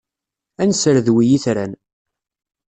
Ad nesredwi itran.